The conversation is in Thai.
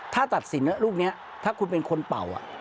ถ้าตัดสินลูกนี้ถ้าคุณเป็นคนเป่า